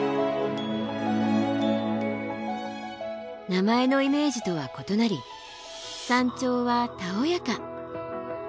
名前のイメージとは異なり山頂はたおやか。